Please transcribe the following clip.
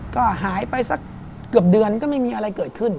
ก็หายไปสักเกือบเดือนก็ไม่มีอะไรเกิดขึ้น